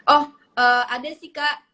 oh ada sih kak